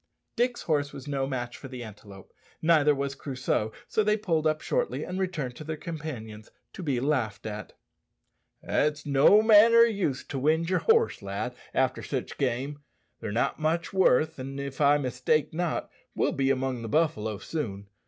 Dick's horse was no match for the antelope, neither was Crusoe; so they pulled up shortly and returned to their companions, to be laughed at. "It's no manner o' use to wind yer horse, lad, after sich game. They're not much worth, an', if I mistake not, we'll be among the buffalo soon.